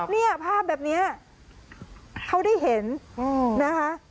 เนี่ยภาพแบบนี้เขาได้เห็นนะคะ